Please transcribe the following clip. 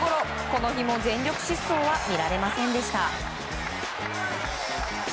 この日も全力疾走は見られませんでした。